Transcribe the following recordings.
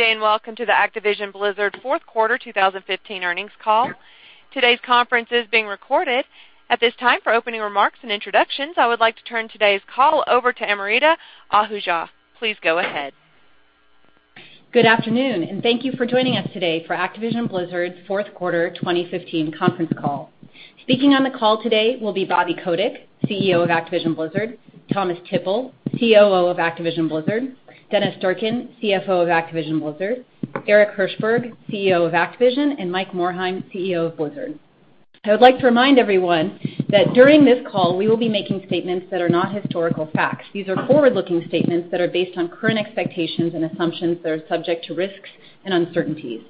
Good day, welcome to the Activision Blizzard fourth quarter 2015 earnings call. Today's conference is being recorded. At this time, for opening remarks and introductions, I would like to turn today's call over to Amrita Ahuja. Please go ahead. Good afternoon, thank you for joining us today for Activision Blizzard's fourth quarter 2015 conference call. Speaking on the call today will be Bobby Kotick, CEO of Activision Blizzard; Thomas Tippl, COO of Activision Blizzard; Dennis Durkin, CFO of Activision Blizzard; Eric Hirshberg, CEO of Activision; and Mike Morhaime, CEO of Blizzard. I would like to remind everyone that during this call, we will be making statements that are not historical facts. These are forward-looking statements that are based on current expectations and assumptions that are subject to risks and uncertainties.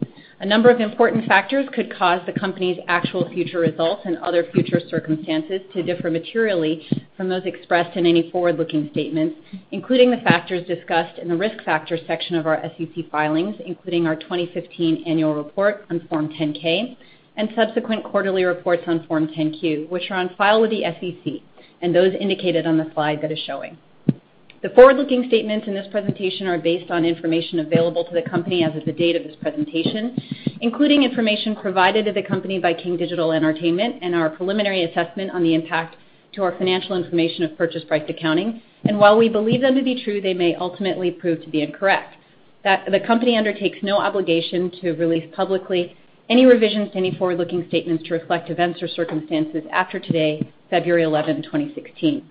A number of important factors could cause the company's actual future results and other future circumstances to differ materially from those expressed in any forward-looking statements, including the factors discussed in the Risk Factors section of our SEC filings, including our 2015 Annual Report on Form 10-K and subsequent quarterly reports on Form 10-Q, which are on file with the SEC, and those indicated on the slide that is showing. The forward-looking statements in this presentation are based on information available to the company as of the date of this presentation, including information provided to the company by King Digital Entertainment and our preliminary assessment on the impact to our financial information of purchase price accounting. While we believe them to be true, they may ultimately prove to be incorrect. The company undertakes no obligation to release publicly any revisions to any forward-looking statements to reflect events or circumstances after today, February 11, 2016.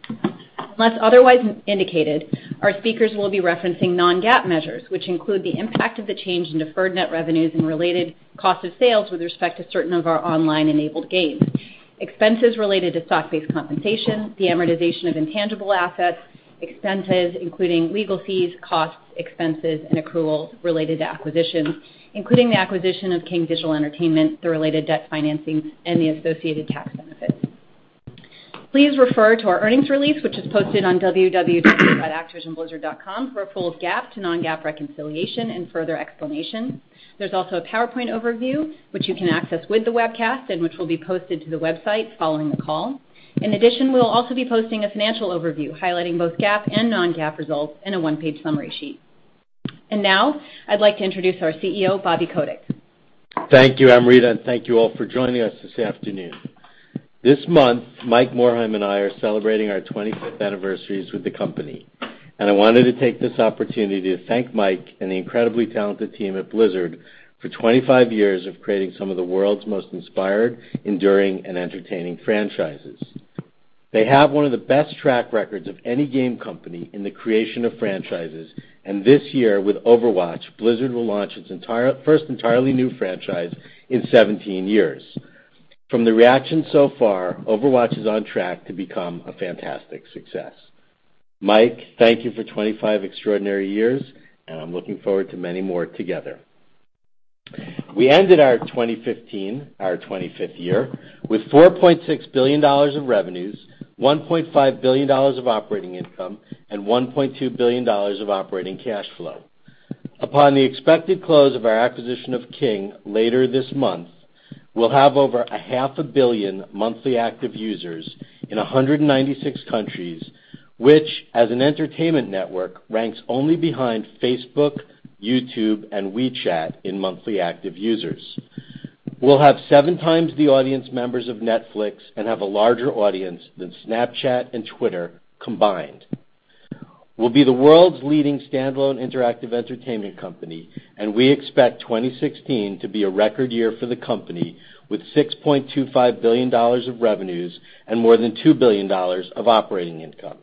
Unless otherwise indicated, our speakers will be referencing non-GAAP measures, which include the impact of the change in deferred net revenues and related cost of sales with respect to certain of our online-enabled games; expenses related to stock-based compensation; the amortization of intangible assets; expenses, including legal fees, costs, expenses, and accruals related to acquisitions, including the acquisition of King Digital Entertainment, the related debt financing, and the associated tax benefits. Please refer to our earnings release, which is posted on www.activisionblizzard.com for a full GAAP-to-non-GAAP reconciliation and further explanation. There's also a PowerPoint overview, which you can access with the webcast and which will be posted to the website following the call. In addition, we'll also be posting a financial overview highlighting both GAAP and non-GAAP results in a one-page summary sheet. Now I'd like to introduce our CEO, Bobby Kotick. Thank you, Amrita, and thank you all for joining us this afternoon. This month, Mike Morhaime and I are celebrating our 25th anniversaries with the company, and I wanted to take this opportunity to thank Mike and the incredibly talented team at Blizzard for 25 years of creating some of the world's most inspired, enduring, and entertaining franchises. They have one of the best track records of any game company in the creation of franchises, and this year, with Overwatch, Blizzard will launch its first entirely new franchise in 17 years. From the reaction so far, Overwatch is on track to become a fantastic success. Mike, thank you for 25 extraordinary years, and I'm looking forward to many more together. We ended our 2015, our 25th year, with $4.6 billion of revenues, $1.5 billion of operating income, and $1.2 billion of operating cash flow. Upon the expected close of our acquisition of King later this month, we'll have over a half a billion monthly active users in 196 countries, which, as an entertainment network, ranks only behind Facebook, YouTube, and WeChat in monthly active users. We'll have seven times the audience members of Netflix and have a larger audience than Snapchat and Twitter combined. We'll be the world's leading standalone interactive entertainment company, we expect 2016 to be a record year for the company with $6.25 billion of revenues and more than $2 billion of operating income.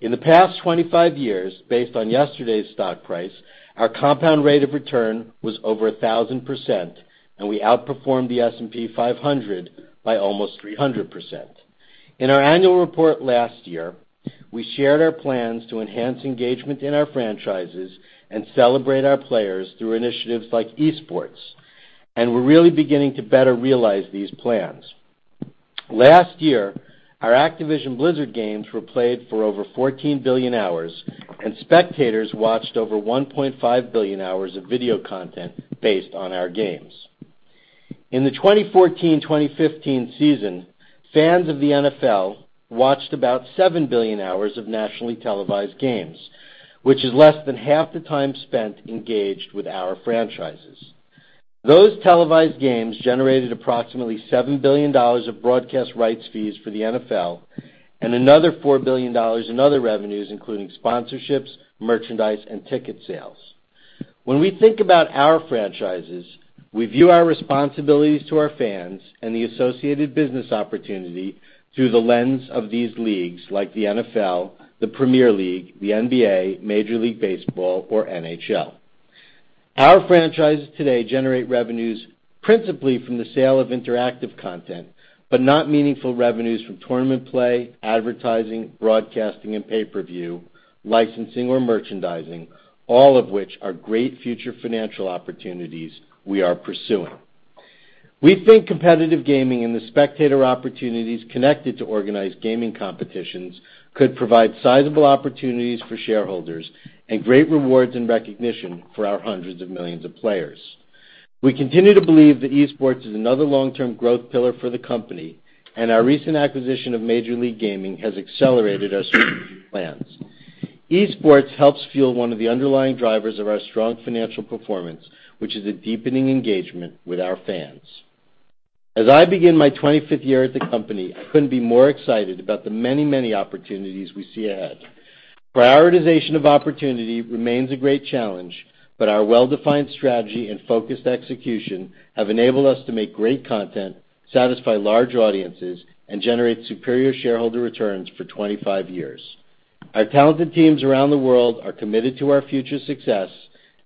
In the past 25 years, based on yesterday's stock price, our compound rate of return was over 1,000%, and we outperformed the S&P 500 by almost 300%. In our annual report last year, we shared our plans to enhance engagement in our franchises and celebrate our players through initiatives like e-sports, we're really beginning to better realize these plans. Last year, our Activision Blizzard games were played for over 14 billion hours, spectators watched over 1.5 billion hours of video content based on our games. In the 2014-2015 season, fans of the NFL watched about 7 billion hours of nationally televised games, which is less than half the time spent engaged with our franchises. Those televised games generated approximately $7 billion of broadcast rights fees for the NFL and another $4 billion in other revenues, including sponsorships, merchandise, and ticket sales. When we think about our franchises, we view our responsibilities to our fans and the associated business opportunity through the lens of these leagues like the NFL, the Premier League, the NBA, Major League Baseball, or NHL. Our franchises today generate revenues principally from the sale of interactive content, but not meaningful revenues from tournament play, advertising, broadcasting, and pay-per-view, licensing, or merchandising, all of which are great future financial opportunities we are pursuing. We think competitive gaming and the spectator opportunities connected to organized gaming competitions could provide sizable opportunities for shareholders and great rewards and recognition for our hundreds of millions of players. We continue to believe that e-sports is another long-term growth pillar for the company, and our recent acquisition of Major League Gaming has accelerated our strategic plans. E-sports helps fuel one of the underlying drivers of our strong financial performance, which is a deepening engagement with our fans. As I begin my 25th year at the company, I couldn't be more excited about the many opportunities we see ahead. Prioritization of opportunity remains a great challenge, but our well-defined strategy and focused execution have enabled us to make great content, satisfy large audiences, and generate superior shareholder returns for 25 years. Our talented teams around the world are committed to our future success,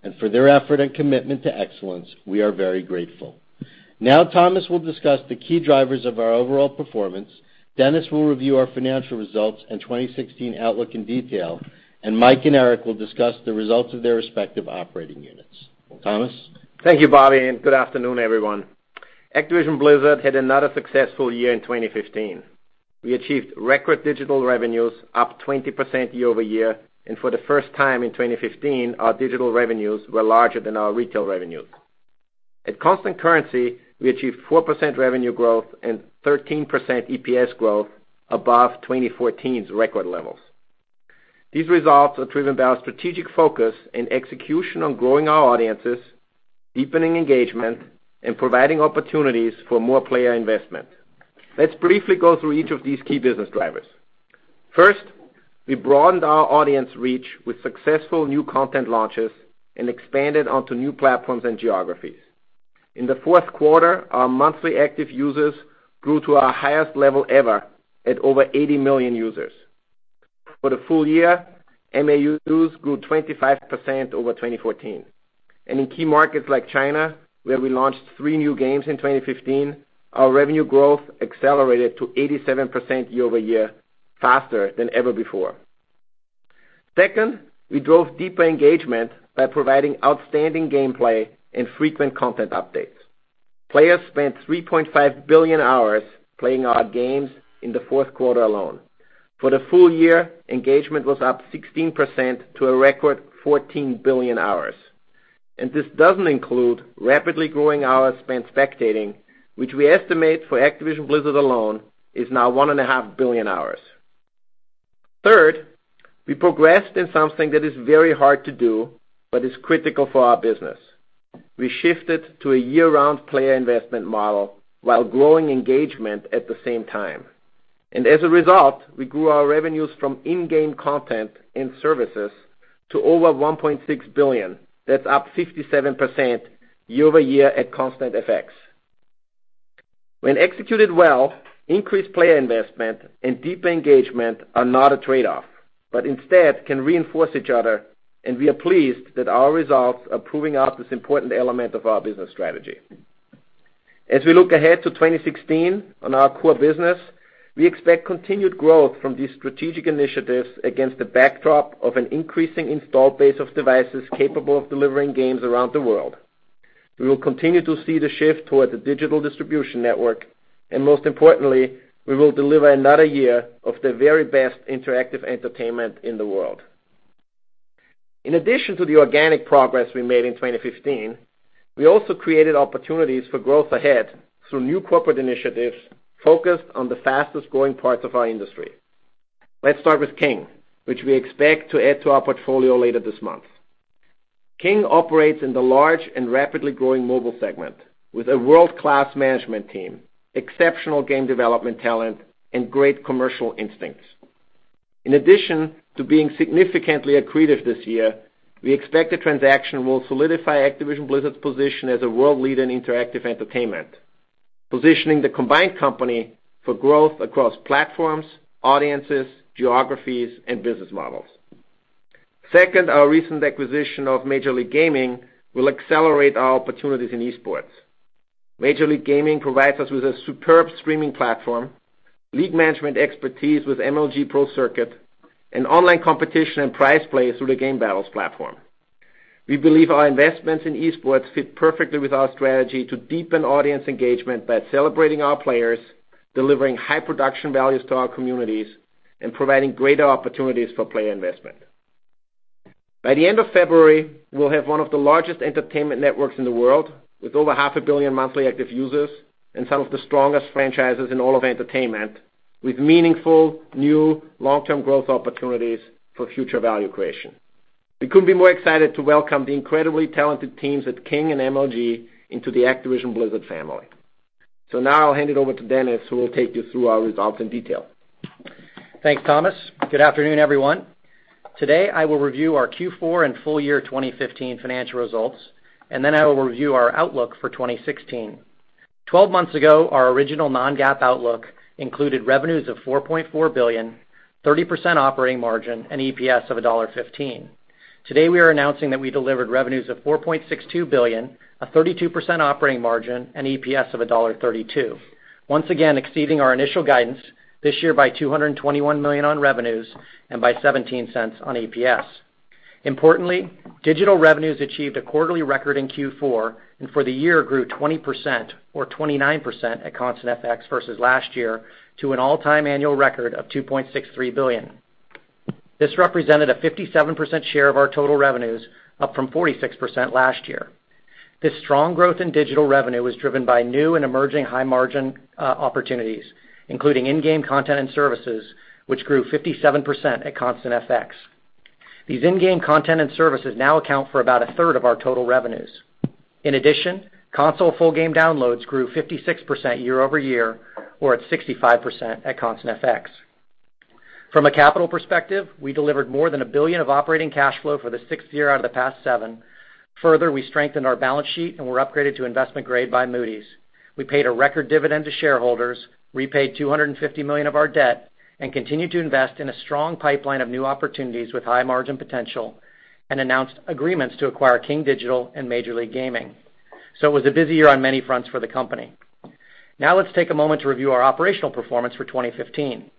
and for their effort and commitment to excellence, we are very grateful. Thomas will discuss the key drivers of our overall performance. Dennis will review our financial results and 2016 outlook in detail. Mike and Eric will discuss the results of their respective operating units. Thomas? Thank you, Bobby. Good afternoon everyone. Activision Blizzard had another successful year in 2015. We achieved record digital revenues up 20% year-over-year. For the first time in 2015, our digital revenues were larger than our retail revenues. At constant currency, we achieved 4% revenue growth and 13% EPS growth above 2014's record levels. These results are driven by our strategic focus and execution on growing our audiences, deepening engagement, and providing opportunities for more player investment. Let's briefly go through each of these key business drivers. First, we broadened our audience reach with successful new content launches and expanded onto new platforms and geographies. In the fourth quarter, our monthly active users grew to our highest level ever at over 80 million users. For the full year, MAUs grew 25% over 2014. In key markets like China, where we launched three new games in 2015, our revenue growth accelerated to 87% year-over-year, faster than ever before. Second, we drove deeper engagement by providing outstanding gameplay and frequent content updates. Players spent 3.5 billion hours playing our games in the fourth quarter alone. For the full year, engagement was up 16% to a record 14 billion hours. This doesn't include rapidly growing hours spent spectating, which we estimate for Activision Blizzard alone is now one and a half billion hours. Third, we progressed in something that is very hard to do, but is critical for our business. We shifted to a year-round player investment model while growing engagement at the same time. As a result, we grew our revenues from in-game content and services to over $1.6 billion. That's up 57% year-over-year at constant FX. When executed well, increased player investment and deeper engagement are not a trade-off, but instead can reinforce each other, and we are pleased that our results are proving out this important element of our business strategy. As we look ahead to 2016 on our core business, we expect continued growth from these strategic initiatives against the backdrop of an increasing installed base of devices capable of delivering games around the world. We will continue to see the shift toward the digital distribution network, and most importantly, we will deliver another year of the very best interactive entertainment in the world. In addition to the organic progress we made in 2015, we also created opportunities for growth ahead through new corporate initiatives focused on the fastest-growing parts of our industry. Let's start with King, which we expect to add to our portfolio later this month. King operates in the large and rapidly growing mobile segment with a world-class management team, exceptional game development talent, and great commercial instincts. In addition to being significantly accretive this year, we expect the transaction will solidify Activision Blizzard's position as a world leader in interactive entertainment, positioning the combined company for growth across platforms, audiences, geographies, and business models. Second, our recent acquisition of Major League Gaming will accelerate our opportunities in esports. Major League Gaming provides us with a superb streaming platform, league management expertise with MLG Pro Circuit, and online competition and prize plays through the GameBattles platform. We believe our investments in esports fit perfectly with our strategy to deepen audience engagement by celebrating our players, delivering high production values to our communities, and providing greater opportunities for player investment. By the end of February, we'll have one of the largest entertainment networks in the world, with over half a billion monthly active users and some of the strongest franchises in all of entertainment, with meaningful, new, long-term growth opportunities for future value creation. We couldn't be more excited to welcome the incredibly talented teams at King and MLG into the Activision Blizzard family. Now I'll hand it over to Dennis, who will take you through our results in detail. Thanks, Thomas. Good afternoon, everyone. Today, I will review our Q4 and full year 2015 financial results, and then I will review our outlook for 2016. Twelve months ago, our original non-GAAP outlook included revenues of $4.4 billion, 30% operating margin, and EPS of $1.15. Today, we are announcing that we delivered revenues of $4.62 billion, a 32% operating margin, and EPS of $1.32, once again exceeding our initial guidance this year by $221 million on revenues and by $0.17 on EPS. Importantly, digital revenues achieved a quarterly record in Q4, and for the year grew 20%, or 29% at constant FX versus last year, to an all-time annual record of $2.63 billion. This represented a 57% share of our total revenues, up from 46% last year. This strong growth in digital revenue was driven by new and emerging high-margin opportunities, including in-game content and services, which grew 57% at constant FX. These in-game content and services now account for about a third of our total revenues. In addition, console full game downloads grew 56% year-over-year, or at 65% at constant FX. From a capital perspective, we delivered more than $1 billion of operating cash flow for the sixth year out of the past seven. Further, we strengthened our balance sheet and were upgraded to investment grade by Moody's. We paid a record dividend to shareholders, repaid $250 million of our debt, and continue to invest in a strong pipeline of new opportunities with high margin potential, and announced agreements to acquire King Digital and Major League Gaming. It was a busy year on many fronts for the company. Now let's take a moment to review our operational performance for 2015.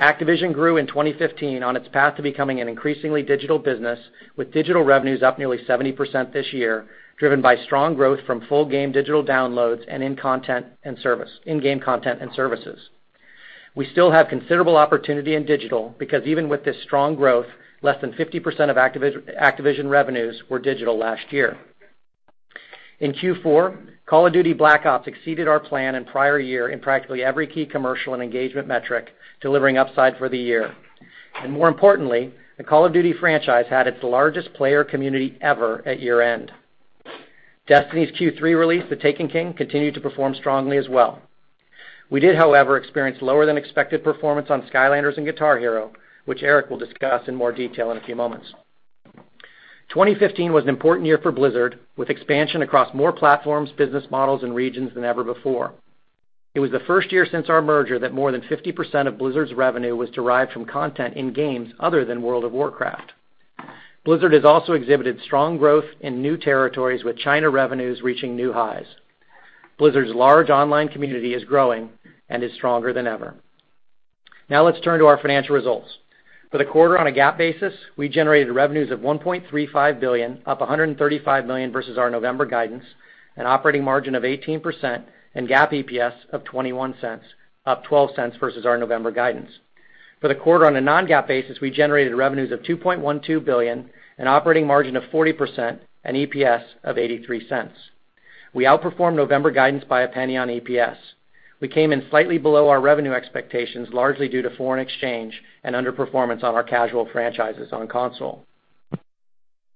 Activision grew in 2015 on its path to becoming an increasingly digital business, with digital revenues up nearly 70% this year, driven by strong growth from full game digital downloads and in-game content and services. We still have considerable opportunity in digital because even with this strong growth, less than 50% of Activision revenues were digital last year. In Q4, Call of Duty: Black Ops exceeded our plan in prior year in practically every key commercial and engagement metric, delivering upside for the year. More importantly, the Call of Duty franchise had its largest player community ever at year-end. Destiny's Q3 release, The Taken King, continued to perform strongly as well. We did, however, experience lower than expected performance on Skylanders and Guitar Hero, which Eric will discuss in more detail in a few moments. 2015 was an important year for Blizzard, with expansion across more platforms, business models, and regions than ever before. It was the first year since our merger that more than 50% of Blizzard's revenue was derived from content in games other than World of Warcraft. Blizzard has also exhibited strong growth in new territories with China revenues reaching new highs. Blizzard's large online community is growing and is stronger than ever. Now let's turn to our financial results. For the quarter on a GAAP basis, we generated revenues of $1.35 billion, up $135 million versus our November guidance, an operating margin of 18% and GAAP EPS of $0.21, up $0.12 versus our November guidance. For the quarter on a non-GAAP basis, we generated revenues of $2.12 billion, an operating margin of 40%, and EPS of $0.83. We outperformed November guidance by a penny on EPS. We came in slightly below our revenue expectations, largely due to foreign exchange and underperformance on our casual franchises on console.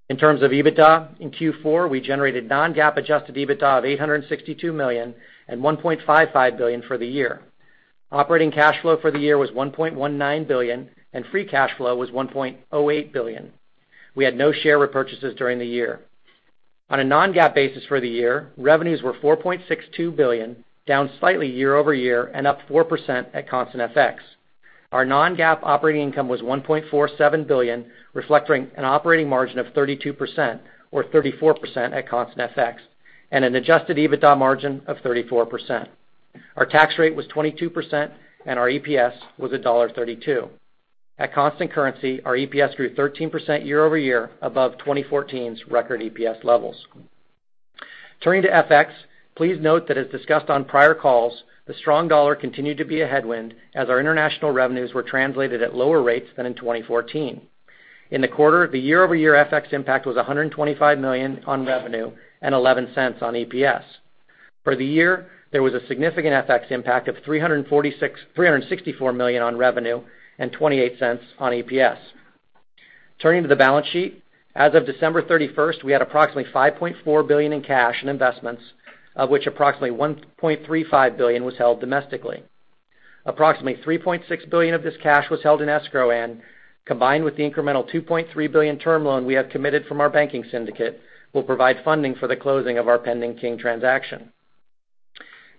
In terms of EBITDA, in Q4, we generated non-GAAP adjusted EBITDA of $862 million and $1.55 billion for the year. Operating cash flow for the year was $1.19 billion and free cash flow was $1.08 billion. We had no share repurchases during the year. On a non-GAAP basis for the year, revenues were $4.62 billion, down slightly year-over-year and up 4% at constant FX. Our non-GAAP operating income was $1.47 billion, reflecting an operating margin of 32%, or 34% at constant FX, and an adjusted EBITDA margin of 34%. Our tax rate was 22% and our EPS was $1.32. At constant currency, our EPS grew 13% year-over-year above 2014's record EPS levels. Turning to FX, please note that as discussed on prior calls, the strong dollar continued to be a headwind as our international revenues were translated at lower rates than in 2014. In the quarter, the year-over-year FX impact was $125 million on revenue and $0.11 on EPS. For the year, there was a significant FX impact of $364 million on revenue and $0.28 on EPS. Turning to the balance sheet, as of December 31st, we had approximately $5.4 billion in cash and investments, of which approximately $1.35 billion was held domestically. Approximately $3.6 billion of this cash was held in escrow and, combined with the incremental $2.3 billion term loan we have committed from our banking syndicate, will provide funding for the closing of our pending King transaction.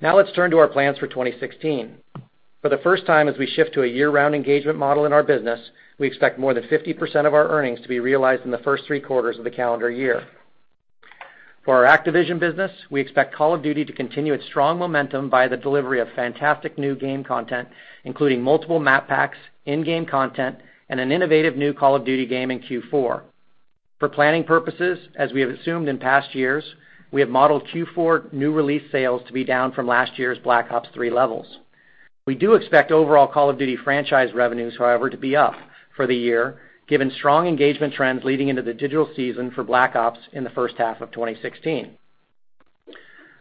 Let's turn to our plans for 2016. For the first time, as we shift to a year-round engagement model in our business, we expect more than 50% of our earnings to be realized in the first three quarters of the calendar year. For our Activision business, we expect Call of Duty to continue its strong momentum by the delivery of fantastic new game content, including multiple map packs, in-game content, and an innovative new Call of Duty game in Q4. For planning purposes, as we have assumed in past years, we have modeled Q4 new release sales to be down from last year's Black Ops III levels. We do expect overall Call of Duty franchise revenues, however, to be up for the year, given strong engagement trends leading into the digital season for Black Ops in the first half of 2016.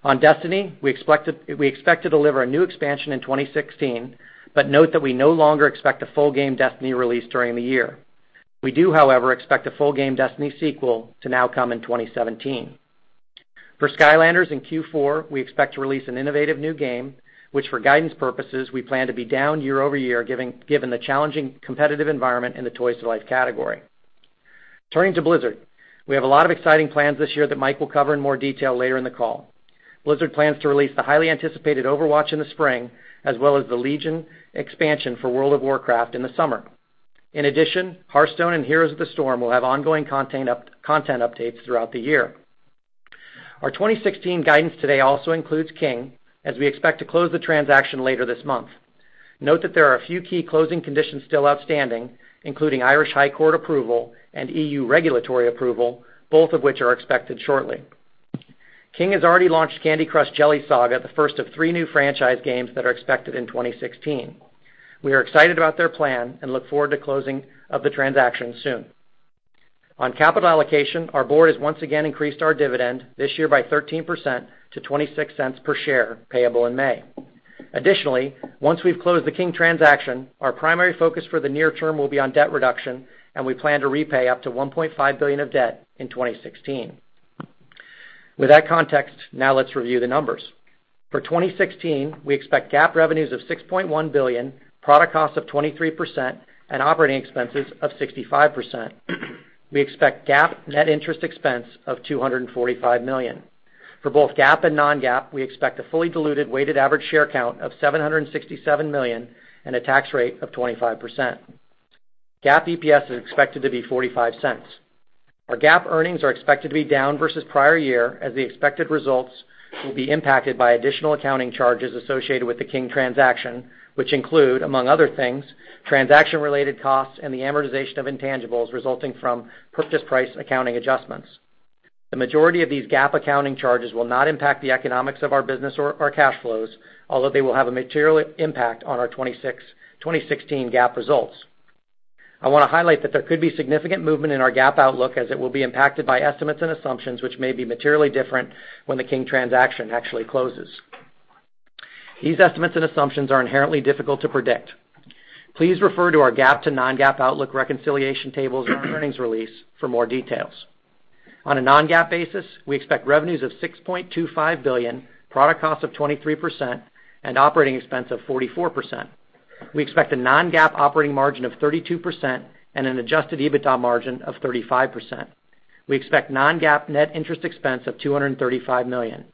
On Destiny, we expect to deliver a new expansion in 2016, note that we no longer expect a full game Destiny release during the year. We do, however, expect a full game Destiny sequel to now come in 2017. For Skylanders in Q4, we expect to release an innovative new game, which for guidance purposes, we plan to be down year-over-year, given the challenging competitive environment in the Toys-to-life category. Turning to Blizzard, we have a lot of exciting plans this year that Mike will cover in more detail later in the call. Blizzard plans to release the highly anticipated Overwatch in the spring, as well as the Legion expansion for World of Warcraft in the summer. In addition, Hearthstone and Heroes of the Storm will have ongoing content updates throughout the year. Our 2016 guidance today also includes King, as we expect to close the transaction later this month. Note that there are a few key closing conditions still outstanding, including High Court approval and EU regulatory approval, both of which are expected shortly. King has already launched Candy Crush Jelly Saga, the first of three new franchise games that are expected in 2016. We are excited about their plan and look forward to closing of the transaction soon. On capital allocation, our board has once again increased our dividend, this year by 13% to $0.26 per share, payable in May. Additionally, once we've closed the King transaction, our primary focus for the near term will be on debt reduction, and we plan to repay up to $1.5 billion of debt in 2016. With that context, now let's review the numbers. For 2016, we expect GAAP revenues of $6.1 billion, product costs of 23%, and operating expenses of 65%. We expect GAAP net interest expense of $245 million. For both GAAP and non-GAAP, we expect a fully diluted weighted average share count of 767 million and a tax rate of 25%. GAAP EPS is expected to be $0.45. Our GAAP earnings are expected to be down versus prior year, as the expected results will be impacted by additional accounting charges associated with the King transaction, which include, among other things, transaction-related costs and the amortization of intangibles resulting from purchase price accounting adjustments. The majority of these GAAP accounting charges will not impact the economics of our business or our cash flows, although they will have a material impact on our 2016 GAAP results. I want to highlight that there could be significant movement in our GAAP outlook as it will be impacted by estimates and assumptions, which may be materially different when the King transaction actually closes. These estimates and assumptions are inherently difficult to predict. Please refer to our GAAP to non-GAAP outlook reconciliation tables in our earnings release for more details. On a non-GAAP basis, we expect revenues of $6.25 billion, product costs of 23%, and operating expense of 44%. We expect a non-GAAP operating margin of 32% and an adjusted EBITDA margin of 35%. We expect non-GAAP net interest expense of $235 million.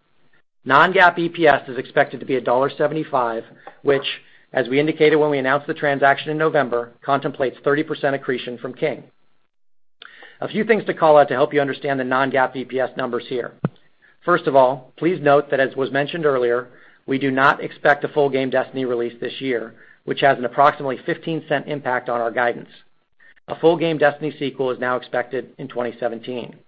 Non-GAAP EPS is expected to be $1.75, which, as we indicated when we announced the transaction in November, contemplates 30% accretion from King. A few things to call out to help you understand the non-GAAP EPS numbers here. First of all, please note that as was mentioned earlier, we do not expect a full game Destiny release this year, which has an approximately $0.15 impact on our guidance. A full game Destiny sequel is now expected in 2017.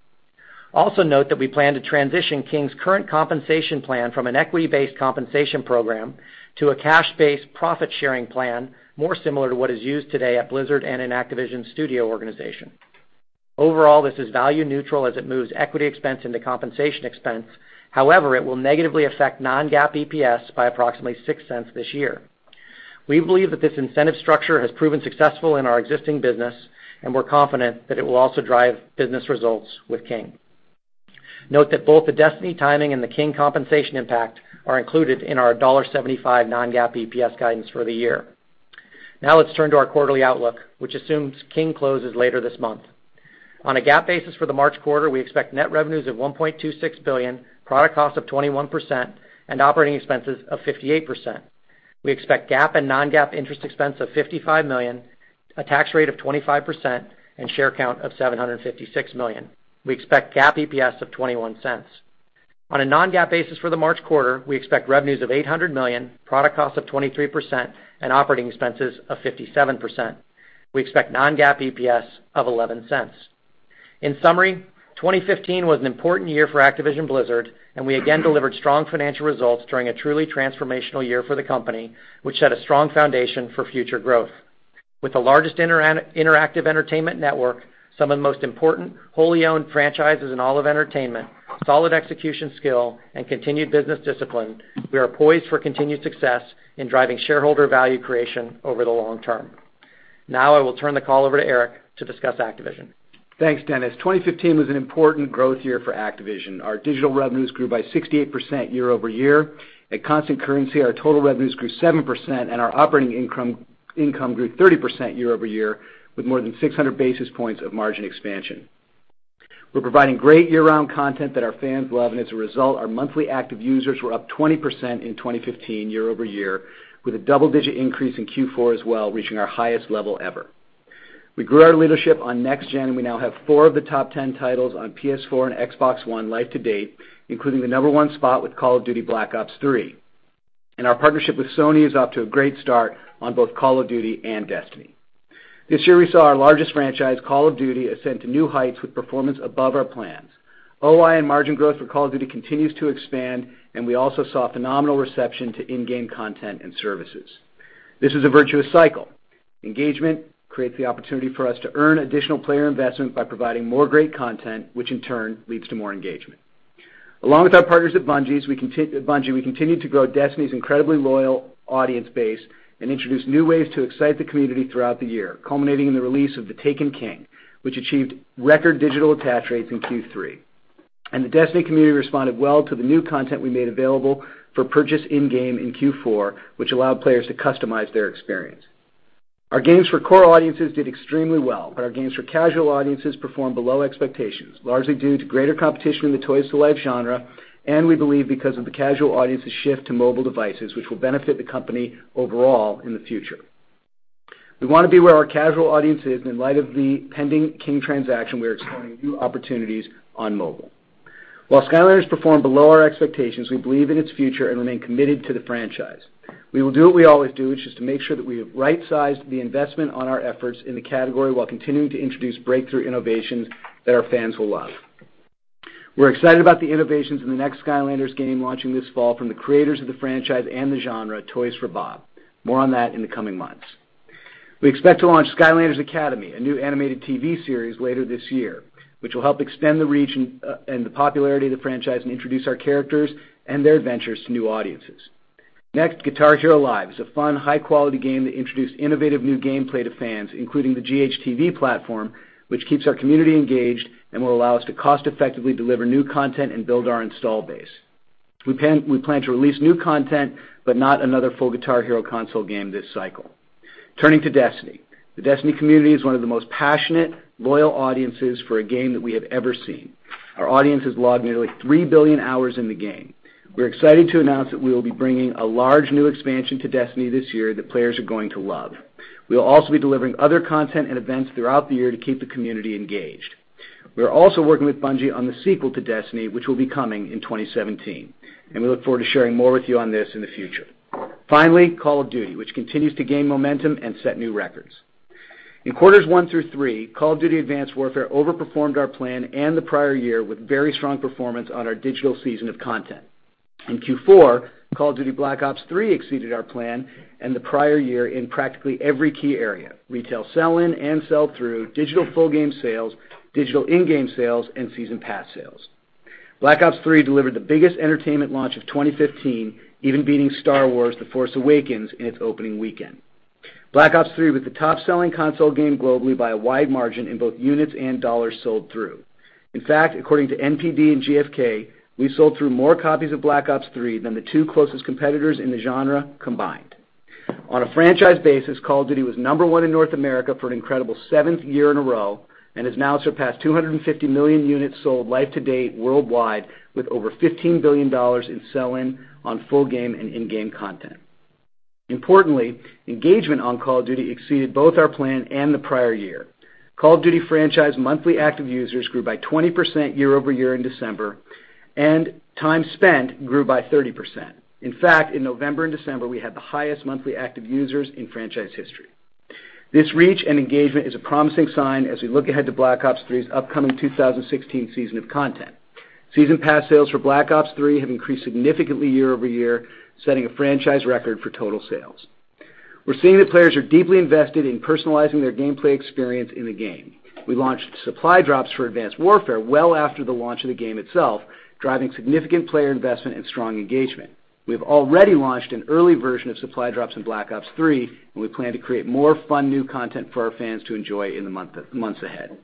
Also note that we plan to transition King's current compensation plan from an equity-based compensation program to a cash-based profit-sharing plan, more similar to what is used today at Blizzard and in Activision Publishing. Overall, this is value neutral as it moves equity expense into compensation expense. However, it will negatively affect non-GAAP EPS by approximately $0.06 this year. We believe that this incentive structure has proven successful in our existing business, and we're confident that it will also drive business results with King. Note that both the Destiny timing and the King compensation impact are included in our $1.75 non-GAAP EPS guidance for the year. Now let's turn to our quarterly outlook, which assumes King closes later this month. On a GAAP basis for the March quarter, we expect net revenues of $1.26 billion, product costs of 21%, and operating expenses of 58%. We expect GAAP and non-GAAP interest expense of $55 million, a tax rate of 25%, and share count of 756 million. We expect GAAP EPS of $0.21. On a non-GAAP basis for the March quarter, we expect revenues of $800 million, product costs of 23%, and operating expenses of 57%. We expect non-GAAP EPS of $0.11. In summary, 2015 was an important year for Activision Blizzard. We again delivered strong financial results during a truly transformational year for the company, which set a strong foundation for future growth. With the largest interactive entertainment network, some of the most important wholly owned franchises in all of entertainment, solid execution skill, and continued business discipline, we are poised for continued success in driving shareholder value creation over the long term. Now I will turn the call over to Eric to discuss Activision. Thanks, Dennis. 2015 was an important growth year for Activision. Our digital revenues grew by 68% year-over-year. At constant currency, our total revenues grew 7%, and our operating income grew 30% year-over-year, with more than 600 basis points of margin expansion. We're providing great year-round content that our fans love. As a result, our monthly active users were up 20% in 2015 year-over-year, with a double-digit increase in Q4 as well, reaching our highest level ever. We grew our leadership on next-gen. We now have 4 of the top 10 titles on PS4 and Xbox One life to date, including the number 1 spot with Call of Duty: Black Ops III. Our partnership with Sony is off to a great start on both Call of Duty and Destiny. This year, we saw our largest franchise, Call of Duty, ascend to new heights with performance above our plans. OI and margin growth for Call of Duty continues to expand, and we also saw phenomenal reception to in-game content and services. This is a virtuous cycle. Engagement creates the opportunity for us to earn additional player investment by providing more great content, which in turn leads to more engagement. Along with our partners at Bungie, we continue to grow Destiny's incredibly loyal audience base and introduce new ways to excite the community throughout the year, culminating in the release of The Taken King, which achieved record digital attach rates in Q3. The Destiny community responded well to the new content we made available for purchase in-game in Q4, which allowed players to customize their experience. Our games for core audiences did extremely well, but our games for casual audiences performed below expectations, largely due to greater competition in the toys-to-life genre, and we believe because of the casual audience's shift to mobile devices, which will benefit the company overall in the future. We want to be where our casual audience is, and in light of the pending King transaction, we are exploring new opportunities on mobile. While Skylanders performed below our expectations, we believe in its future and remain committed to the franchise. We will do what we always do, which is to make sure that we have right-sized the investment on our efforts in the category while continuing to introduce breakthrough innovations that our fans will love. We are excited about the innovations in the next Skylanders game launching this fall from the creators of the franchise and the genre, Toys for Bob. More on that in the coming months. We expect to launch Skylanders Academy, a new animated TV series later this year, which will help extend the reach and the popularity of the franchise and introduce our characters and their adventures to new audiences. Next, Guitar Hero Live is a fun, high-quality game that introduced innovative new gameplay to fans, including the GHTV platform, which keeps our community engaged and will allow us to cost-effectively deliver new content and build our install base. We plan to release new content, but not another full Guitar Hero console game this cycle. Turning to Destiny. The Destiny community is one of the most passionate, loyal audiences for a game that we have ever seen. Our audience has logged nearly 3 billion hours in the game. We are excited to announce that we will be bringing a large new expansion to Destiny this year that players are going to love. We will also be delivering other content and events throughout the year to keep the community engaged. We are also working with Bungie on the sequel to Destiny, which will be coming in 2017, and we look forward to sharing more with you on this in the future. Finally, Call of Duty, which continues to gain momentum and set new records. In quarters one through three, Call of Duty: Advanced Warfare overperformed our plan and the prior year with very strong performance on our digital season of content. In Q4, Call of Duty: Black Ops III exceeded our plan and the prior year in practically every key area: retail sell-in and sell-through, digital full game sales, digital in-game sales, and season pass sales. Black Ops III delivered the biggest entertainment launch of 2015, even beating Star Wars: The Force Awakens in its opening weekend. Black Ops III was the top-selling console game globally by a wide margin in both units and dollars sold through. In fact, according to NPD and GfK, we sold through more copies of Black Ops III than the two closest competitors in the genre combined. On a franchise basis, Call of Duty was number one in North America for an incredible seventh year in a row and has now surpassed 250 million units sold life to date worldwide, with over $15 billion in sell-in on full game and in-game content. Importantly, engagement on Call of Duty exceeded both our plan and the prior year. Call of Duty franchise monthly active users grew by 20% year-over-year in December, and time spent grew by 30%. In fact, in November and December, we had the highest monthly active users in franchise history. This reach and engagement is a promising sign as we look ahead to Black Ops III's upcoming 2016 season of content. Season pass sales for Black Ops III have increased significantly year-over-year, setting a franchise record for total sales. We're seeing that players are deeply invested in personalizing their gameplay experience in the game. We launched Supply Drops for Advanced Warfare well after the launch of the game itself, driving significant player investment and strong engagement. We have already launched an early version of Supply Drops in Black Ops III, and we plan to create more fun new content for our fans to enjoy in the months ahead.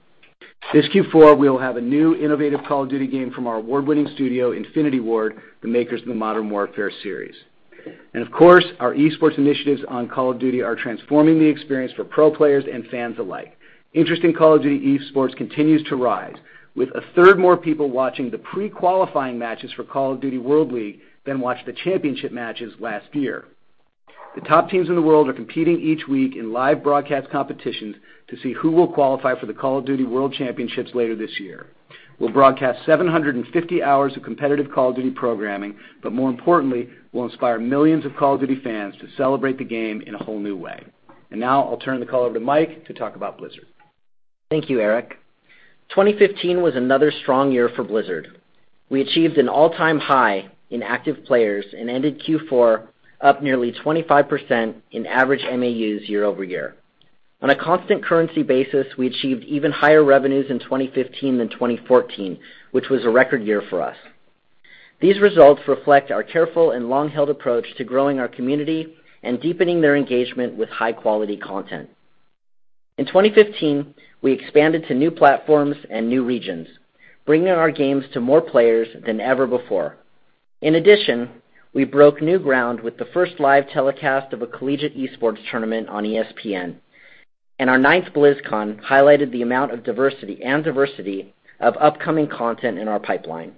This Q4, we'll have a new innovative Call of Duty game from our award-winning studio, Infinity Ward, the makers of the Modern Warfare series. Of course, our esports initiatives on Call of Duty are transforming the experience for pro players and fans alike. Interest in Call of Duty esports continues to rise, with a third more people watching the pre-qualifying matches for Call of Duty World League than watched the championship matches last year. The top teams in the world are competing each week in live broadcast competitions to see who will qualify for the Call of Duty World Championships later this year. We'll broadcast 750 hours of competitive Call of Duty programming, more importantly, we'll inspire millions of Call of Duty fans to celebrate the game in a whole new way. Now I'll turn the call over to Mike to talk about Blizzard. Thank you, Eric. 2015 was another strong year for Blizzard. We achieved an all-time high in active players and ended Q4 up nearly 25% in average MAUs year-over-year. On a constant currency basis, we achieved even higher revenues in 2015 than 2014, which was a record year for us. These results reflect our careful and long-held approach to growing our community and deepening their engagement with high-quality content. In 2015, we expanded to new platforms and new regions, bringing our games to more players than ever before. In addition, we broke new ground with the first live telecast of a collegiate esports tournament on ESPN, our ninth BlizzCon highlighted the amount of diversity and diversity of upcoming content in our pipeline.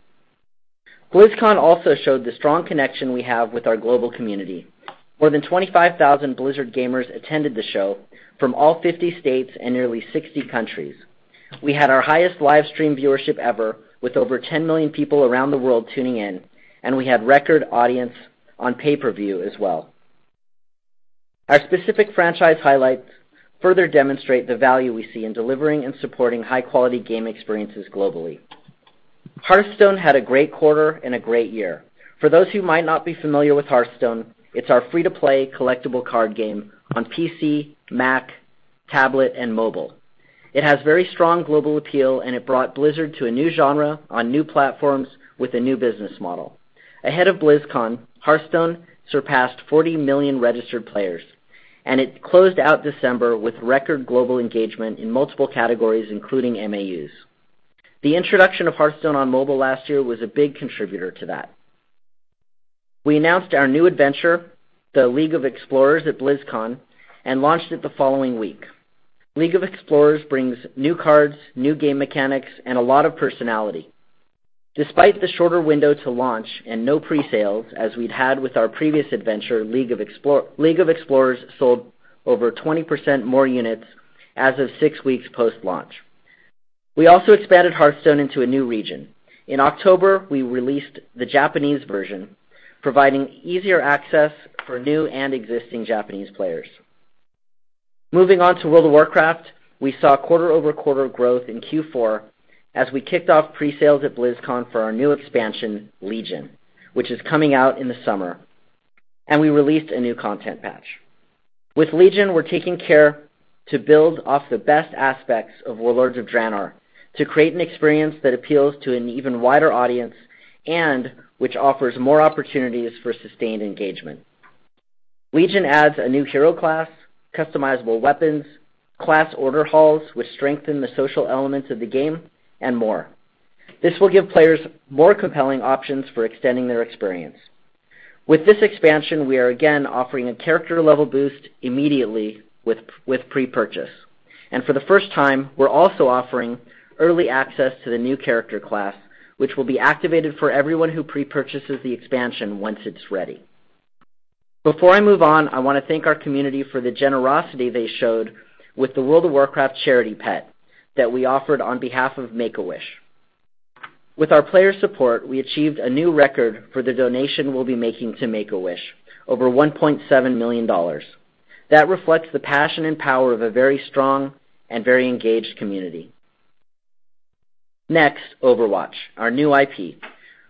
BlizzCon also showed the strong connection we have with our global community. More than 25,000 Blizzard gamers attended the show from all 50 states and nearly 60 countries. We had our highest live stream viewership ever, with over 10 million people around the world tuning in, we had record audience on pay-per-view as well. Our specific franchise highlights further demonstrate the value we see in delivering and supporting high-quality game experiences globally. Hearthstone had a great quarter and a great year. For those who might not be familiar with Hearthstone, it's our free-to-play collectible card game on PC, Mac, tablet, and mobile. It has very strong global appeal, it brought Blizzard to a new genre on new platforms with a new business model. Ahead of BlizzCon, Hearthstone surpassed 40 million registered players, it closed out December with record global engagement in multiple categories, including MAUs. The introduction of Hearthstone on mobile last year was a big contributor to that. We announced our new adventure, the League of Explorers, at BlizzCon and launched it the following week. League of Explorers brings new cards, new game mechanics, and a lot of personality. Despite the shorter window to launch and no pre-sales as we'd had with our previous adventure, League of Explorers sold over 20% more units as of 6 weeks post-launch. We also expanded Hearthstone into a new region. In October, we released the Japanese version, providing easier access for new and existing Japanese players. Moving on to World of Warcraft, we saw quarter-over-quarter growth in Q4 as we kicked off pre-sales at BlizzCon for our new expansion, Legion, which is coming out in the summer. We released a new content patch. With Legion, we're taking care to build off the best aspects of Warlords of Draenor to create an experience that appeals to an even wider audience and which offers more opportunities for sustained engagement. Legion adds a new hero class, customizable weapons, class order halls, which strengthen the social elements of the game, and more. This will give players more compelling options for extending their experience. With this expansion, we are again offering a character level boost immediately with pre-purchase. For the first time, we're also offering early access to the new character class, which will be activated for everyone who pre-purchases the expansion once it's ready. Before I move on, I want to thank our community for the generosity they showed with the World of Warcraft charity pet that we offered on behalf of Make-A-Wish. With our player support, we achieved a new record for the donation we'll be making to Make-A-Wish, over $1.7 million. That reflects the passion and power of a very strong and very engaged community. Next, Overwatch, our new IP,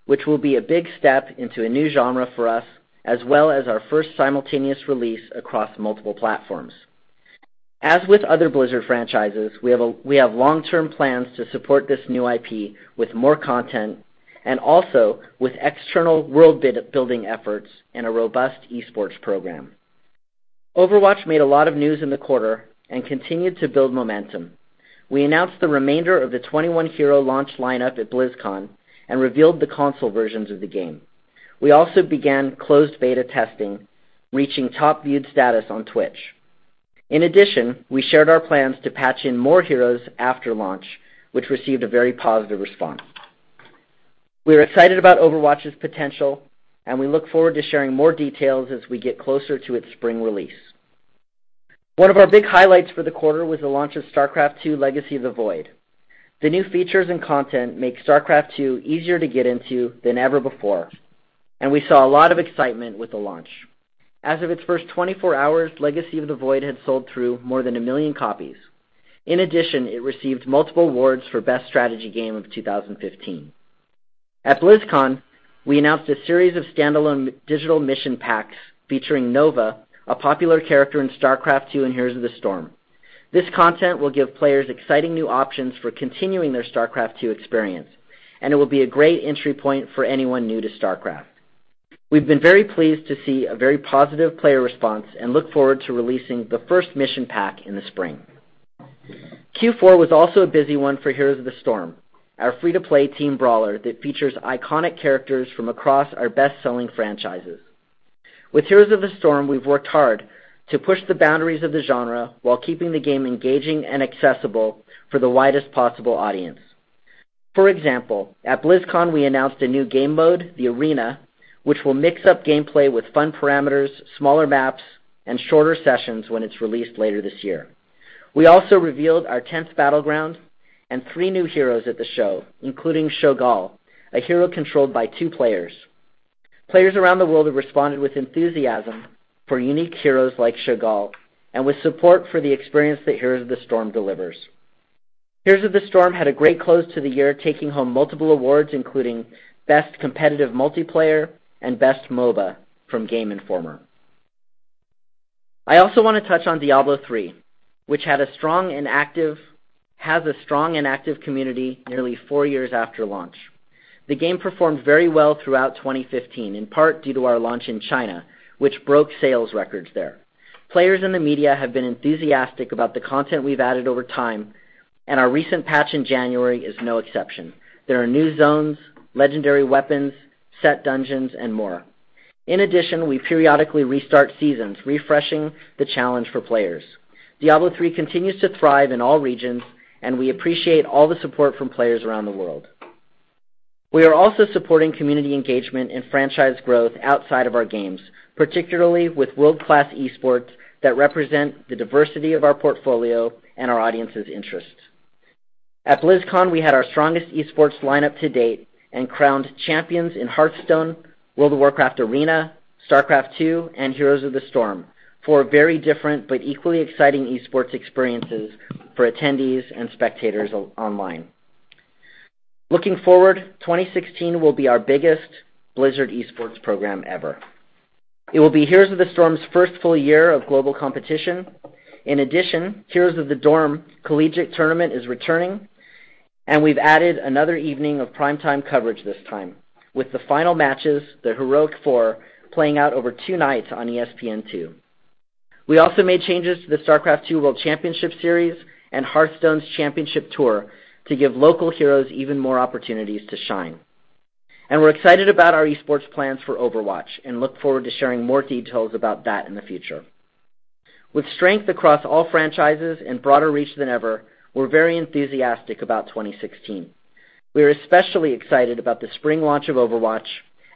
which will be a big step into a new genre for us, as well as our first simultaneous release across multiple platforms. As with other Blizzard franchises, we have long-term plans to support this new IP with more content and also with external world-building efforts and a robust esports program. Overwatch made a lot of news in the quarter and continued to build momentum. We announced the remainder of the 21-hero launch lineup at BlizzCon and revealed the console versions of the game. We also began closed beta testing, reaching top viewed status on Twitch. In addition, we shared our plans to patch in more heroes after launch, which received a very positive response. We're excited about Overwatch's potential, and we look forward to sharing more details as we get closer to its spring release. One of our big highlights for the quarter was the launch of StarCraft II: Legacy of the Void. The new features and content make StarCraft II easier to get into than ever before, and we saw a lot of excitement with the launch. As of its first 24 hours, Legacy of the Void had sold through more than a million copies. In addition, it received multiple awards for best strategy game of 2015. At BlizzCon, we announced a series of standalone digital mission packs featuring Nova, a popular character in StarCraft II and Heroes of the Storm. This content will give players exciting new options for continuing their StarCraft II experience, and it will be a great entry point for anyone new to StarCraft. We've been very pleased to see a very positive player response and look forward to releasing the first mission pack in the spring. Q4 was also a busy one for Heroes of the Storm, our free-to-play team brawler that features iconic characters from across our best-selling franchises. With Heroes of the Storm, we've worked hard to push the boundaries of the genre while keeping the game engaging and accessible for the widest possible audience. For example, at BlizzCon, we announced a new game mode, the Arena, which will mix up gameplay with fun parameters, smaller maps, and shorter sessions when it's released later this year. We also revealed our 10th battleground and three new heroes at the show, including Cho'gall, a hero controlled by two players. Players around the world have responded with enthusiasm for unique heroes like Cho'gall and with support for the experience that Heroes of the Storm delivers. Heroes of the Storm had a great close to the year, taking home multiple awards, including Best Competitive Multiplayer and Best MOBA from Game Informer. I also want to touch on Diablo III, which has a strong and active community nearly four years after launch. The game performed very well throughout 2015, in part due to our launch in China, which broke sales records there. Players in the media have been enthusiastic about the content we've added over time, and our recent patch in January is no exception. There are new zones, legendary weapons, set dungeons, and more. In addition, we periodically restart seasons, refreshing the challenge for players. Diablo III continues to thrive in all regions. We appreciate all the support from players around the world. We are also supporting community engagement and franchise growth outside of our games, particularly with world-class esports that represent the diversity of our portfolio and our audience's interests. At BlizzCon, we had our strongest esports lineup to date and crowned champions in Hearthstone, World of Warcraft Arena, StarCraft II, and Heroes of the Storm for very different but equally exciting esports experiences for attendees and spectators online. Looking forward, 2016 will be our biggest Blizzard esports program ever. It will be Heroes of the Storm's first full year of global competition. In addition, Heroes of the Dorm collegiate tournament is returning, and we've added another evening of primetime coverage this time, with the final matches, the Heroic Four, playing out over two nights on ESPN2. We also made changes to the StarCraft II World Championship Series and Hearthstone's Championship Tour to give local heroes even more opportunities to shine. We're excited about our esports plans for Overwatch and look forward to sharing more details about that in the future. With strength across all franchises and broader reach than ever, we're very enthusiastic about 2016. We're especially excited about the spring launch of Overwatch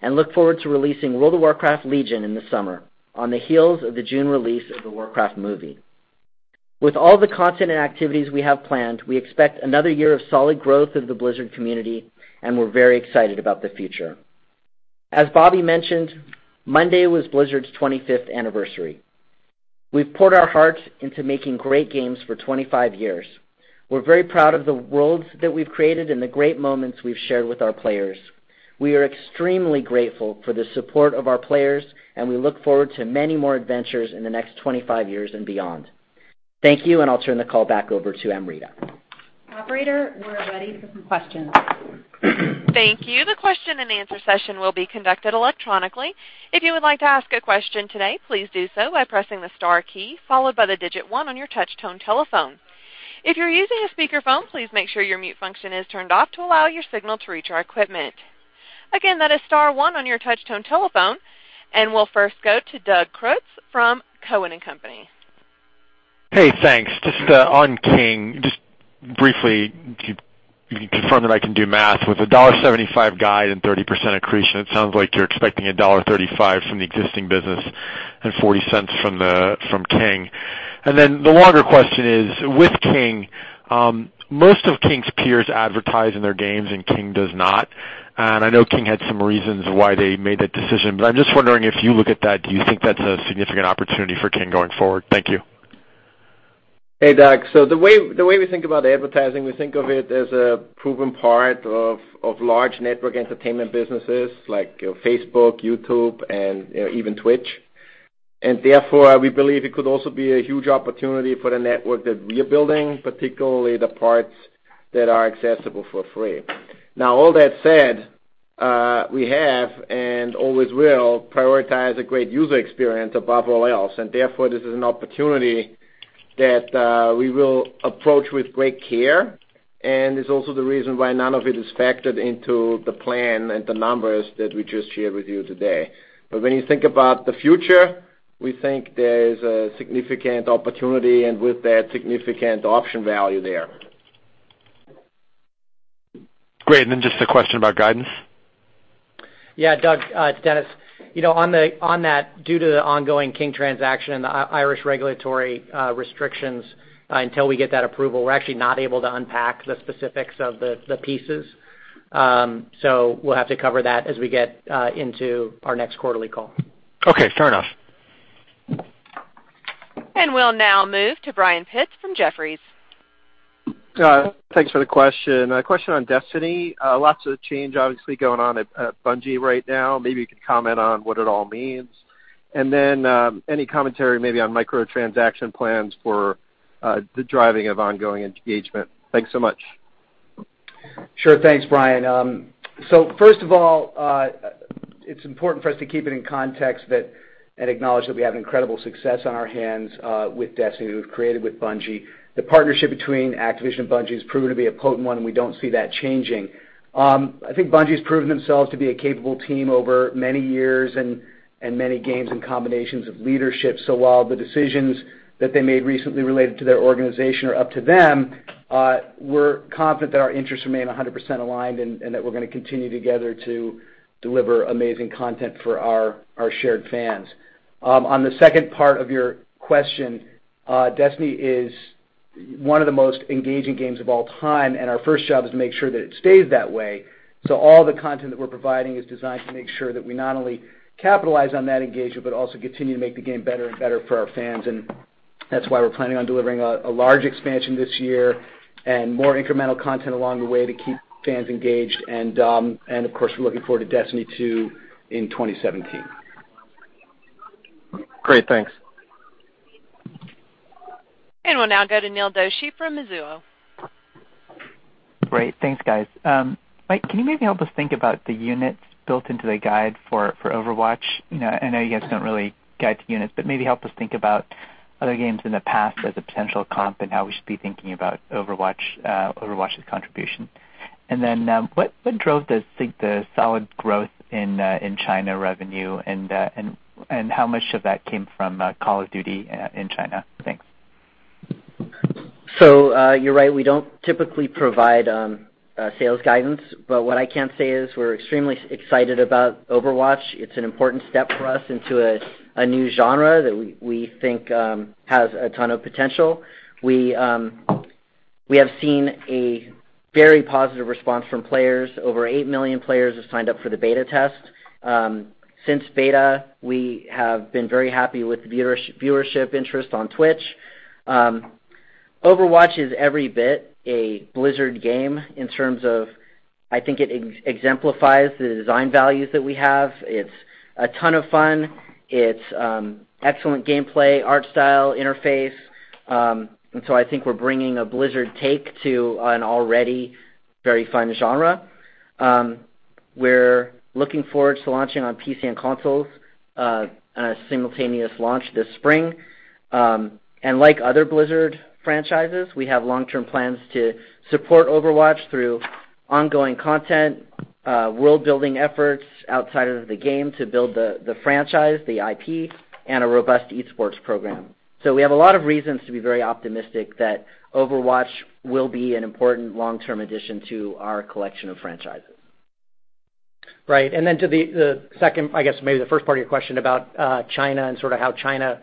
and look forward to releasing World of Warcraft: Legion in the summer on the heels of the June release of the Warcraft movie. With all the content and activities we have planned, we expect another year of solid growth of the Blizzard community, and we're very excited about the future. As Bobby mentioned, Monday was Blizzard's 25th anniversary. We've poured our hearts into making great games for 25 years. We're very proud of the worlds that we've created and the great moments we've shared with our players. We are extremely grateful for the support of our players, and we look forward to many more adventures in the next 25 years and beyond. Thank you, and I'll turn the call back over to Amrita. Operator, we're ready for some questions. Thank you. The question and answer session will be conducted electronically. If you would like to ask a question today, please do so by pressing the star key, followed by the digit 1 on your touchtone telephone. If you're using a speakerphone, please make sure your mute function is turned off to allow your signal to reach our equipment. Again, that is star one on your touchtone telephone. We'll first go to Doug Creutz from Cowen and Company. Hey, thanks. Just on King, just briefly, can you confirm that I can do math with a $1.75 guide and 30% accretion? It sounds like you're expecting $1.35 from the existing business and $0.40 from King. The longer question is, with King, most of King's peers advertise in their games and King does not. I know King had some reasons why they made that decision, but I'm just wondering if you look at that, do you think that's a significant opportunity for King going forward? Thank you. Hey, Doug. The way we think about advertising, we think of it as a proven part of large network entertainment businesses like Facebook, YouTube, and even Twitch. Therefore, we believe it could also be a huge opportunity for the network that we are building, particularly the parts that are accessible for free. All that said, we have and always will prioritize a great user experience above all else, and therefore, this is an opportunity that we will approach with great care, and it's also the reason why none of it is factored into the plan and the numbers that we just shared with you today. When you think about the future, we think there is a significant opportunity and with that, significant option value there. Great. Then just a question about guidance. Yeah. Doug, it's Dennis. On that, due to the ongoing King transaction and the Irish regulatory restrictions, until we get that approval, we're actually not able to unpack the specifics of the pieces. We'll have to cover that as we get into our next quarterly call. Okay, fair enough. We'll now move to Brian Pitz from Jefferies. Thanks for the question. A question on Destiny. Lots of change, obviously, going on at Bungie right now. Maybe you could comment on what it all means. Then any commentary maybe on microtransaction plans for the driving of ongoing engagement. Thanks so much. Sure. Thanks, Brian. First of all, it's important for us to keep it in context and acknowledge that we have incredible success on our hands with Destiny, who we've created with Bungie. The partnership between Activision and Bungie has proven to be a potent one, and we don't see that changing. I think Bungie's proven themselves to be a capable team over many years and many games and combinations of leadership. While the decisions that they made recently related to their organization are up to them, we're confident that our interests remain 100% aligned and that we're going to continue together to deliver amazing content for our shared fans. On the second part of your question, Destiny is one of the most engaging games of all time, and our first job is to make sure that it stays that way. All the content that we're providing is designed to make sure that we not only capitalize on that engagement, but also continue to make the game better and better for our fans. That's why we're planning on delivering a large expansion this year and more incremental content along the way to keep fans engaged. Of course, we're looking forward to Destiny 2 in 2017. Great. Thanks. We'll now go to Neil Doshi from Mizuho. Great. Thanks, guys. Mike, can you maybe help us think about the units built into the guide for Overwatch? I know you guys don't really guide to units, but maybe help us think about other games in the past as a potential comp and how we should be thinking about Overwatch's contribution. What drove the solid growth in China revenue, and how much of that came from Call of Duty in China? Thanks. You're right, we don't typically provide sales guidance. What I can say is we're extremely excited about Overwatch. It's an important step for us into a new genre that we think has a ton of potential. We have seen a very positive response from players. Over eight million players have signed up for the beta test. Since beta, we have been very happy with the viewership interest on Twitch. Overwatch is every bit a Blizzard game in terms of, I think it exemplifies the design values that we have. It's a ton of fun. It's excellent gameplay, art style, interface. I think we're bringing a Blizzard take to an already very fun genre. We're looking forward to launching on PC and consoles on a simultaneous launch this spring. Like other Blizzard franchises, we have long-term plans to support Overwatch through ongoing content, world-building efforts outside of the game to build the franchise, the IP, and a robust esports program. We have a lot of reasons to be very optimistic that Overwatch will be an important long-term addition to our collection of franchises. Right. Then to the second, I guess maybe the first part of your question about China and how China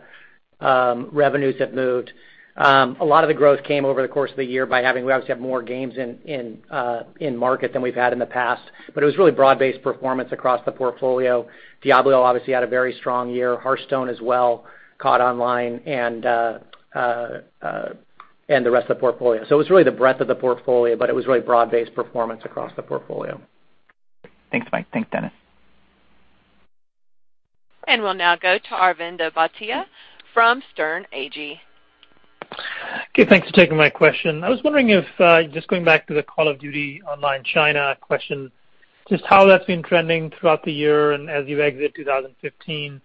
revenues have moved. A lot of the growth came over the course of the year, we obviously have more games in market than we've had in the past, but it was really broad-based performance across the portfolio. Diablo obviously had a very strong year. Hearthstone as well, Cod Online and the rest of the portfolio. It was really the breadth of the portfolio, but it was really broad-based performance across the portfolio. Thanks, Mike. Thanks, Dennis. We'll now go to Arvind Bhatia from Sterne Agee. Okay, thanks for taking my question. I was wondering if, just going back to the Call of Duty Online China question, just how that's been trending throughout the year and as you exit 2015,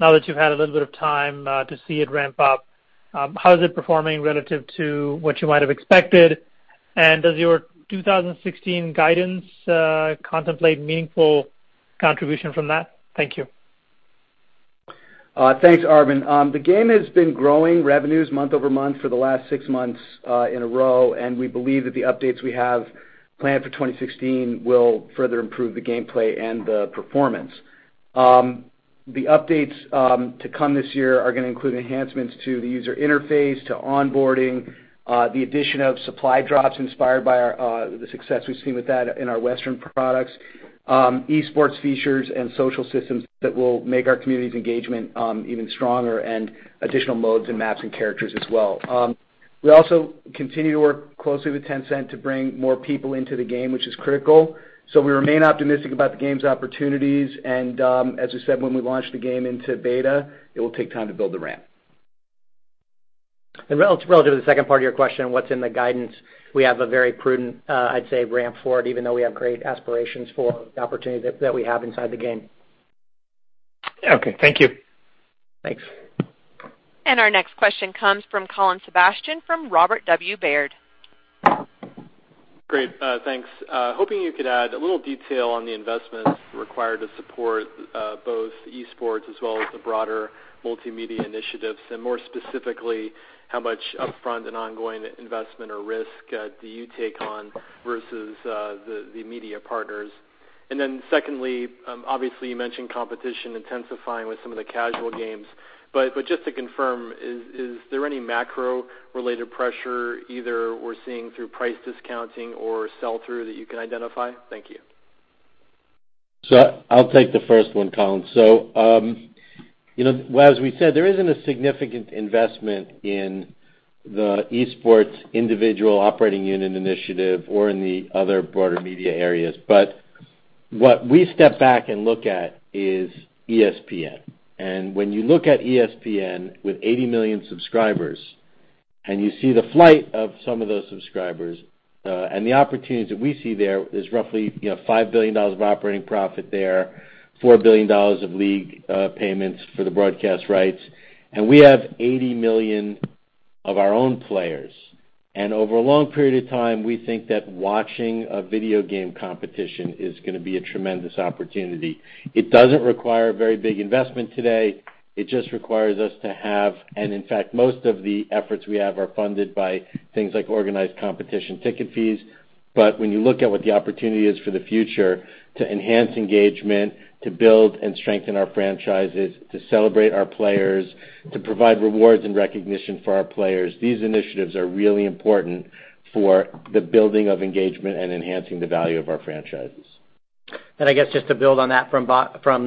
now that you've had a little bit of time to see it ramp up, how is it performing relative to what you might have expected? Does your 2016 guidance contemplate meaningful contribution from that? Thank you. Thanks, Arvind. The game has been growing revenues month-over-month for the last six months in a row, and we believe that the updates we have planned for 2016 will further improve the gameplay and the performance. The updates to come this year are going to include enhancements to the user interface, to onboarding, the addition of Supply Drops inspired by the success we've seen with that in our Western products, esports features and social systems that will make our community's engagement even stronger, and additional modes and maps and characters as well. We also continue to work closely with Tencent to bring more people into the game, which is critical. We remain optimistic about the game's opportunities, and as I said when we launched the game into beta, it will take time to build the ramp. Relative to the second part of your question, what's in the guidance, we have a very prudent, I'd say, ramp forward, even though we have great aspirations for the opportunity that we have inside the game. Okay, thank you. Thanks. Our next question comes from Colin Sebastian from Robert W. Baird. Great, thanks. Hoping you could add a little detail on the investments required to support both esports as well as the broader multimedia initiatives, and more specifically, how much upfront and ongoing investment or risk do you take on versus the media partners? Secondly, obviously you mentioned competition intensifying with some of the casual games, but just to confirm, is there any macro-related pressure either we're seeing through price discounting or sell-through that you can identify? Thank you. I'll take the first one, Colin. As we said, there isn't a significant investment in the esports individual operating unit initiative or in the other broader media areas. What we step back and look at is ESPN. When you look at ESPN with 80 million subscribers, and you see the flight of some of those subscribers, and the opportunities that we see there is roughly $5 billion of operating profit there, $4 billion of league payments for the broadcast rights. We have 80 million of our own players. Over a long period of time, we think that watching a video game competition is going to be a tremendous opportunity. It doesn't require a very big investment today. It just requires us to have, and in fact, most of the efforts we have are funded by things like organized competition ticket fees. When you look at what the opportunity is for the future to enhance engagement, to build and strengthen our franchises, to celebrate our players, to provide rewards and recognition for our players, these initiatives are really important for the building of engagement and enhancing the value of our franchises. I guess just to build on that from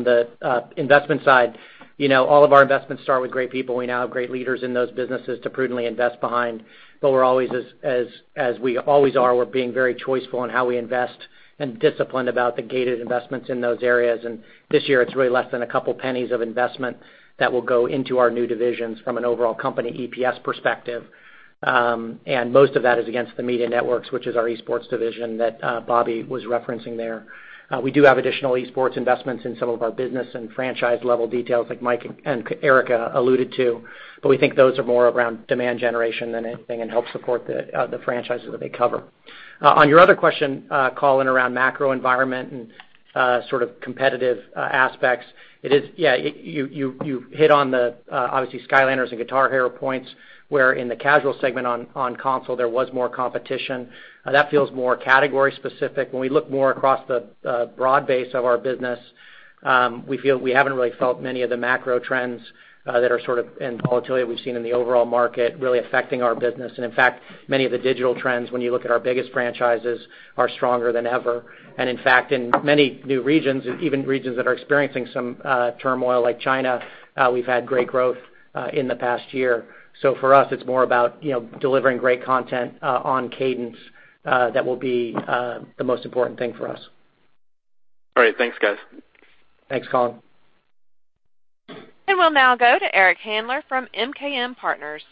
the investment side, all of our investments start with great people. We now have great leaders in those businesses to prudently invest behind. We're always as we always are, we're being very choiceful on how we invest and disciplined about the gated investments in those areas. This year, it's really less than a couple pennies of investment that will go into our new divisions from an overall company EPS perspective. Most of that is against the media networks, which is our esports division that Bobby was referencing there. We do have additional esports investments in some of our business and franchise-level details like Mike and Eric alluded to, but we think those are more around demand generation than anything and help support the franchises that they cover. On your other question, Colin, around macro environment and sort of competitive aspects, you hit on the obviously Skylanders and Guitar Hero points, where in the casual segment on console, there was more competition. That feels more category specific. When we look more across the broad base of our business, we feel we haven't really felt many of the macro trends that are sort of, and volatility we've seen in the overall market really affecting our business. In fact, many of the digital trends, when you look at our biggest franchises, are stronger than ever. In fact, in many new regions, even regions that are experiencing some turmoil like China, we've had great growth in the past year. For us, it's more about delivering great content on cadence that will be the most important thing for us. All right. Thanks, guys. Thanks, Colin. We'll now go to Eric Handler from MKM Partners.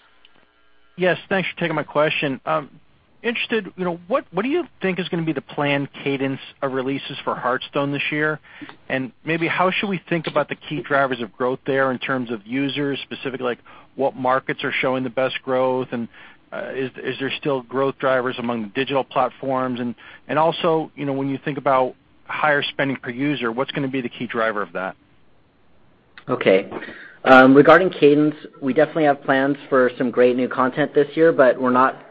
Yes, thanks for taking my question. Interested, what do you think is going to be the planned cadence of releases for Hearthstone this year? Maybe how should we think about the key drivers of growth there in terms of users, specifically like what markets are showing the best growth, is there still growth drivers among digital platforms? Also, when you think about higher spending per user, what's going to be the key driver of that? Okay. Regarding cadence, we definitely have plans for some great new content this year, we're not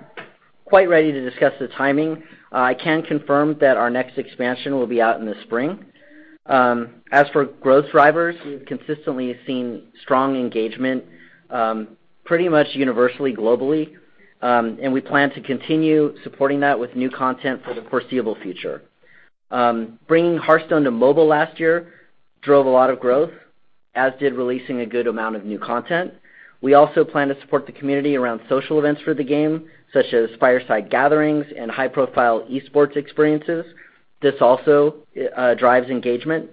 quite ready to discuss the timing. I can confirm that our next expansion will be out in the spring. As for growth drivers, we've consistently seen strong engagement pretty much universally, globally, and we plan to continue supporting that with new content for the foreseeable future. Bringing Hearthstone to mobile last year drove a lot of growth, as did releasing a good amount of new content. We also plan to support the community around social events for the game, such as Fireside Gatherings and high-profile esports experiences. This also drives engagement.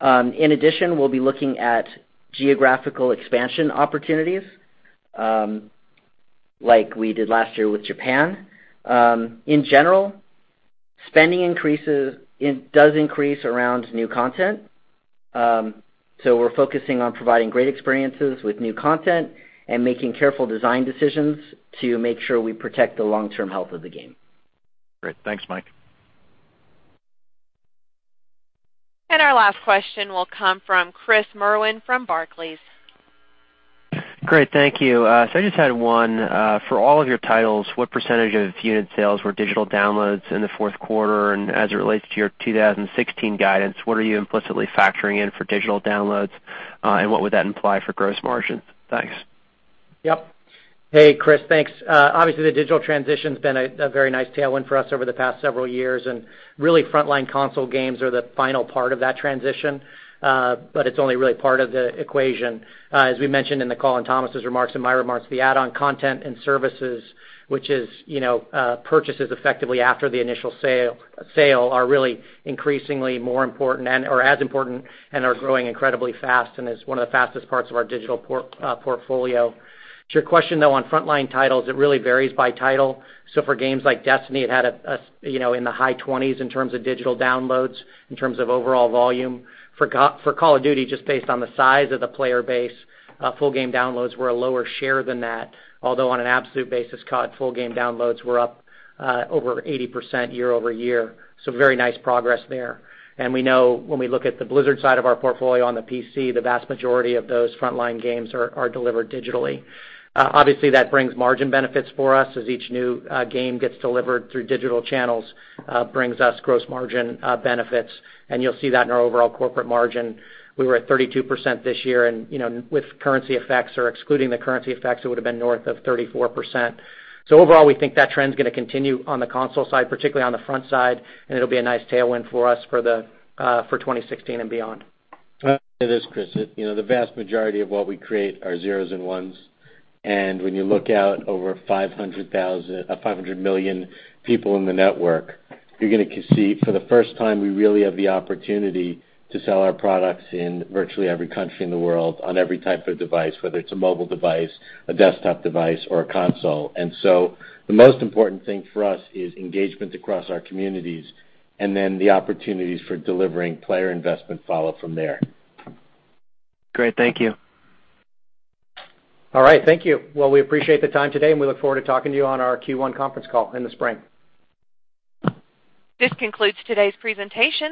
In addition, we'll be looking at geographical expansion opportunities, like we did last year with Japan. In general, spending does increase around new content. We're focusing on providing great experiences with new content and making careful design decisions to make sure we protect the long-term health of the game. Great. Thanks, Mike. Our last question will come from Chris Merwin from Barclays. Great. Thank you. I just had one. For all of your titles, what % of unit sales were digital downloads in the fourth quarter? As it relates to your 2016 guidance, what are you implicitly factoring in for digital downloads, and what would that imply for gross margins? Thanks. Yep. Hey, Chris, thanks. Obviously, the digital transition's been a very nice tailwind for us over the past several years, and really frontline console games are the final part of that transition. It's only really part of the equation. As we mentioned in the call, in Thomas' remarks and my remarks, the add-on content and services, which is purchases effectively after the initial sale, are really increasingly more important or as important and are growing incredibly fast and is one of the fastest parts of our digital portfolio. To your question, though, on frontline titles, it really varies by title. For games like Destiny, it had in the high 20s in terms of digital downloads, in terms of overall volume. For Call of Duty, just based on the size of the player base, full game downloads were a lower share than that, although on an absolute basis, COD full game downloads were up over 80% year-over-year. Very nice progress there. We know when we look at the Blizzard side of our portfolio on the PC, the vast majority of those frontline games are delivered digitally. Obviously, that brings margin benefits for us as each new game gets delivered through digital channels, brings us gross margin benefits, and you'll see that in our overall corporate margin. We were at 32% this year, and with currency effects or excluding the currency effects, it would've been north of 34%. Overall, we think that trend's going to continue on the console side, particularly on the front side, and it'll be a nice tailwind for us for 2016 and beyond. Let me say this, Chris. The vast majority of what we create are zeros and ones, and when you look out over 500 million people in the network, you're going to see for the first time we really have the opportunity to sell our products in virtually every country in the world on every type of device, whether it's a mobile device, a desktop device, or a console. The most important thing for us is engagement across our communities, and then the opportunities for delivering player investment follow from there. Great. Thank you. All right. Thank you. We appreciate the time today, and we look forward to talking to you on our Q1 conference call in the spring. This concludes today's presentation.